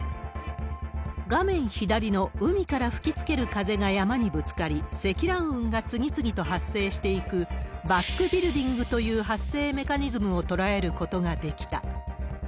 画面左の海から吹きつける風が山にぶつかり、積乱雲が次々と発生していく、バックビルディングという発生メカニズムを捉えることができた。